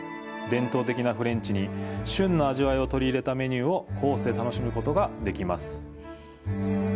伝統的なフレンチに旬の味わいを取り入れたメニューをコースで楽しむことができます。